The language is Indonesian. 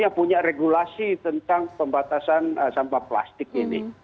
yang punya regulasi tentang pembatasan sampah plastik ini